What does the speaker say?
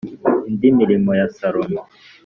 indi mirimo ya Salomo